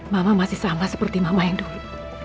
mama masih sama seperti mama yang dulu